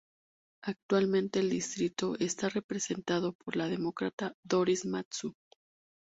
Actualmente el distrito está representado por la Demócrata Doris Matsui.